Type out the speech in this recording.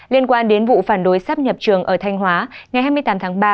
liên quan đến vụ phản đối sắp nhập trường ở thanh hóa ngày hai mươi tám tháng ba